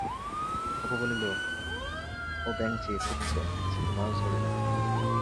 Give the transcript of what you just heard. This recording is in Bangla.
অপু বলিল, ও ব্যাঙচি খুঁজচে, ছিপে মাছ ধরবে।